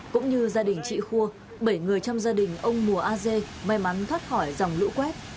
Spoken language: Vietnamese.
cũng như gia đình chị khua bảy người trong gia đình ông mùa a dê may mắn thoát khỏi dòng lũ quét